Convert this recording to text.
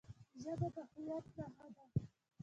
ژبه د هویت نښه ده.